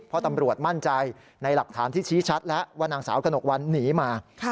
เพราะตำรวจมั่นใจในหลักฐานที่ชี้ชัดแล้วว่านางสาวกระหนกวันหนีมา